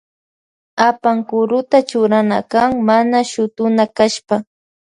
Apankuruta churana kan mana shutuna kashpa.